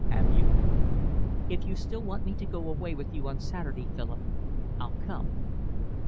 "Have you?" "If you still want me to go away with you on Saturday, Philip, I'll come."